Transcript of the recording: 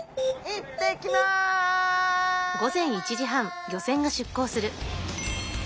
行ってきます！